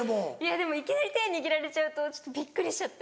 でもいきなり手握られちゃうとちょっとびっくりしちゃって。